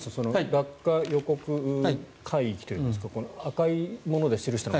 落下予告海域というんですか赤いもので記したもの